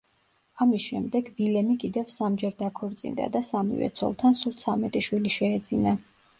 ამის შემდეგ ვილემი კიდევ სამჯერ დაქორწინდა და სამივე ცოლთან სულ ცამეტი შვილი შეეძინა.